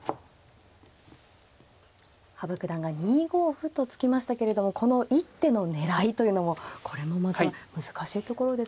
羽生九段が２五歩と突きましたけれどもこの一手の狙いというのもこれもまた難しいところですが。